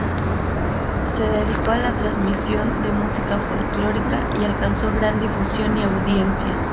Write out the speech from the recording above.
Se dedicó a la transmisión de música folclórica y alcanzó gran difusión y audiencia.